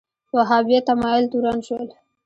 وهابیت تمایل تورن شول